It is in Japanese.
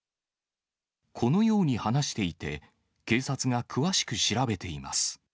このように話していて、警察が詳しく調べています。